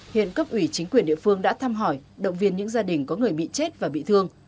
hiện cấp ủy chính quyền địa phương đã thăm hỏi động viên những gia đình có người bị chết và bị thương